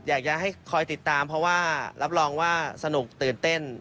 อยากจะให้คอยติดตามเพราะว่ารับรองว่าสนุกตื่นเต้น